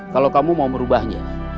kalau kamu mau merubahnya